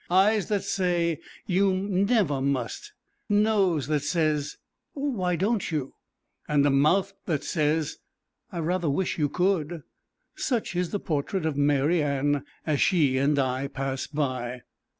Eyes that say you never must, nose that says why don't you? and a mouth that says I rather wish you could: such is the portrait of Mary A as she and I pass by.